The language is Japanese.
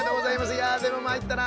いやでもまいったな。